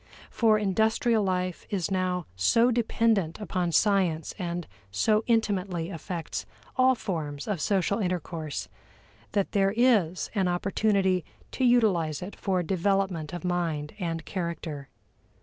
For industrial life is now so dependent upon science and so intimately affects all forms of social intercourse, that there is an opportunity to utilize it for development of mind and character.